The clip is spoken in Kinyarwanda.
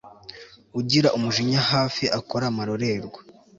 ugira umujinya hafi akora amarorerwa